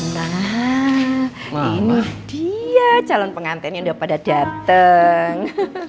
nah ini dia calon pengantin yang udah pada datang